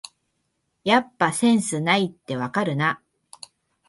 やっぱセンスないってわかるな